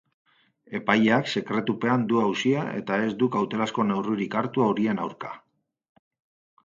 Epaileak sekretupean du auzia, eta ez du kautelazko neurririk hartu horien aurka.